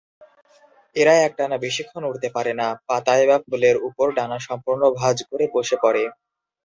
এরা একটানা বেশিক্ষণ উড়তে পারে না, পাতায় বা ফুলের উপর ডানা সম্পূর্ণ ভাঁজ করে বসে পড়ে।